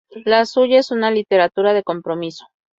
La suya es una literatura de compromiso.